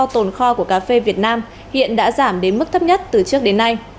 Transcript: do tồn kho của cà phê việt nam hiện đã giảm đến mức thấp nhất từ trước đến nay